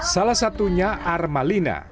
salah satunya armalina